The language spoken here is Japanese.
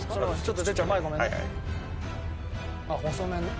あっ細麺ね